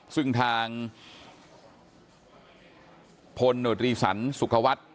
ซึ่งทางพลโนตรีศรรย์สุขวัตร